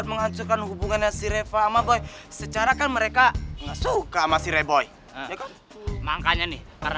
tapi gak suka